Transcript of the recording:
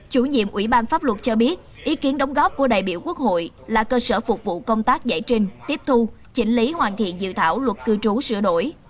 chủ nhiệm ủy ban pháp luật cho biết ý kiến đóng góp của đại biểu quốc hội là cơ sở phục vụ công tác giải trình tiếp thu chỉnh lý hoàn thiện dự thảo luật cư trú sửa đổi